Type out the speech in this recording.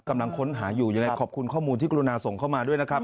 กำลังค้นหาอยู่ยังไงขอบคุณข้อมูลที่กรุณาส่งเข้ามาด้วยนะครับ